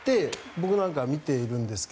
僕なんかは見ているんですが。